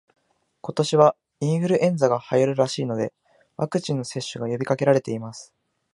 今年はインフルエンザが流行るらしいので、ワクチンの接種が呼びかけられています